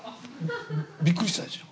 びっくりしたでしょ。